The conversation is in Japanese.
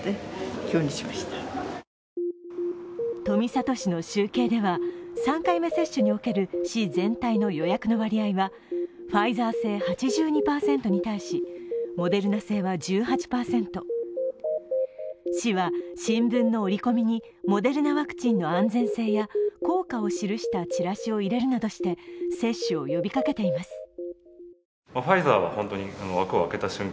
富里市の集計では、３回目接種における市全体の予約の割合はファイザー製８２％に対しモデルナ製は１８％市は新聞の折り込みにモデルナワクチンの安全性や効果を記したチラシを入れるなどして接種を呼びかけています。